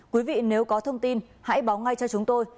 quý vị nếu có thông tin hãy báo ngay cho chúng tôi